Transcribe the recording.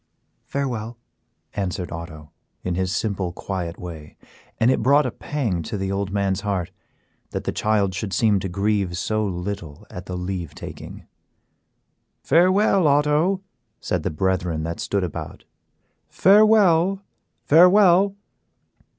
"Farewell," answered Otto, in his simple, quiet way, and it brought a pang to the old man's heart that the child should seem to grieve so little at the leave taking. "Farewell, Otto," said the brethren that stood about, "farewell, farewell."